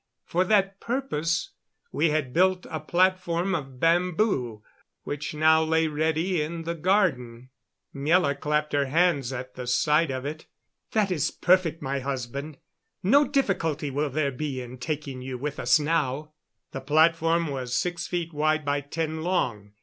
For that purpose we had built a platform of bamboo, which now lay ready in the garden. Miela clapped her hands at sight of it. "That is perfect, my husband. No difficulty will there be in taking you with us now." The platform was six feet wide by ten long.